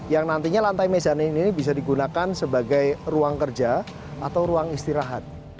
yang nantinya lantai mezanin ini bisa digunakan sebagai ruang kerja atau ruang istirahat